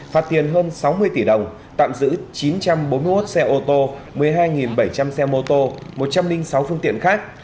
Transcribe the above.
phạt tiền hơn sáu mươi tỷ đồng tạm giữ chín trăm bốn mươi một xe ô tô một mươi hai bảy trăm linh xe mô tô một trăm linh sáu phương tiện khác